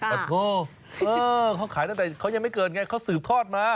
ขอโทษเขาขายตั้งแต่เขายังไม่เกิดไงเขาสืบทอดมา